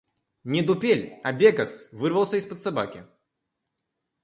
Не дупель, а бекас вырвался из-под собаки.